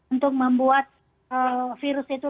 untuk membuat virus itu